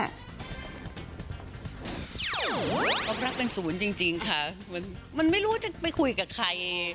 เขารักเป็นศูนย์จริงค่ะมันไม่รู้จะไปคุยกับใคร